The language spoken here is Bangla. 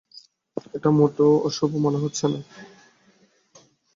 এটা মোটেও অশুভ মনে হচ্ছে না।